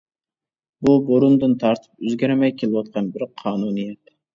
بۇ بۇرۇندىن تارتىپ ئۆزگەرمەي كېلىۋاتقان بىر قانۇنىيەت.